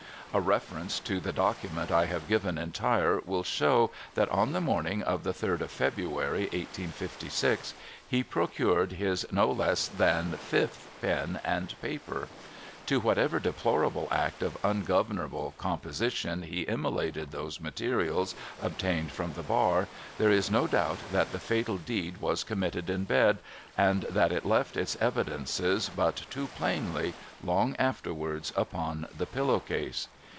A reference to the document I have given entire will show that on the morning of the third of February, eighteen fifty six, he procured his no less than iifth pen and ])aper. To whatever deplorable act of ungovernable composition he immolated those materials obtained from the bar, there is no doubt that the fatal deed was committed in bed, and that it left its evidences but too plainly, long afterwards, upon the pillow case.